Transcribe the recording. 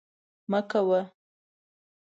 مه کوه